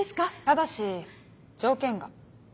ただし条件が。